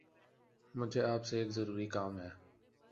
مجھے آپ سے ایک ضروری کام ہے